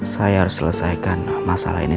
saya harus selesaikan masalah ini